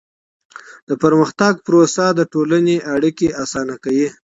د پرمختګ پروسه د ټولني اړیکي اسانه کوي.